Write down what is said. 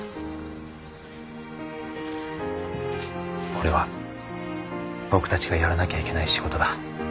これは僕たちがやらなきゃいけない仕事だ。